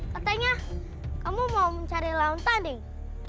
katanya kamu mau mencari loung tanding